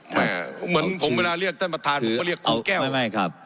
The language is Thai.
ท่านยัทธฟงครับ